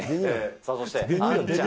さあそしてあんちゃん。